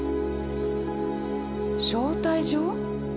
招待状？